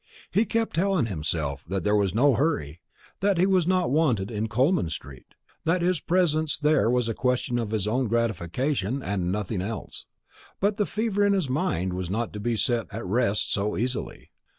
He kept telling himself that there was no hurry; that he was not wanted in Coleman street; that his presence there was a question of his own gratification and nothing else; but the fever in his mind was not to be set at rest go easily.